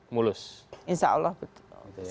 mulus insya allah betul